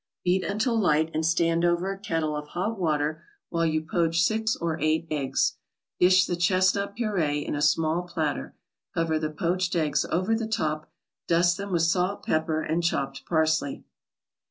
Beat until light and stand over a kettle of hot water while you poach six or eight eggs. Dish the chestnut puree in a small platter, cover the poached eggs over the top, dust them with salt, pepper and chopped parsley.